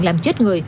làm chết người